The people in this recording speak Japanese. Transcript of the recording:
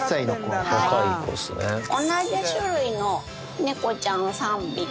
はい同じ種類の猫ちゃんを３匹。